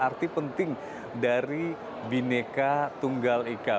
arti penting dari bineka tunggal ika